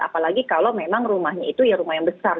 apalagi kalau memang rumahnya itu rumah yang besar